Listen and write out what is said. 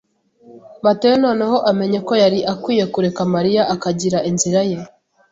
Matayo noneho amenye ko yari akwiye kureka Mariya akagira inzira ye.